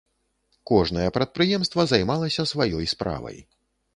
Кожнае прадпрыемства займалася сваёй справай.